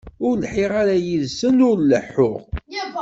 Ur lḥiɣ ara yid-sen ur leḥḥuɣ.